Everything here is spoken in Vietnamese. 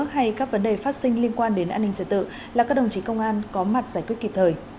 hay các vấn đề phát sinh liên quan đến an ninh trật tự là các đồng chí công an có mặt giải quyết kịp thời